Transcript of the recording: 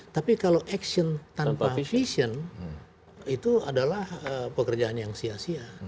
tapi kalau action tanpa vision itu adalah pekerjaan yang sia sia